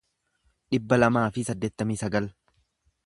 dhibba lamaa fi saddeettamii sagal